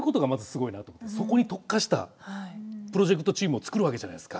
そこに特化したプロジェクトチームを作るわけじゃないですか。